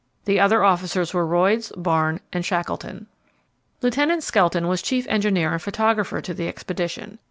The other officers were Royds, Barne, and Shackleton. Lieutenant Skelton was chief engineer and photographer to the expedition.